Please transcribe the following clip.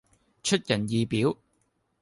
出人意表